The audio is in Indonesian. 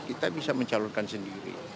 kita bisa mencalurkan sendiri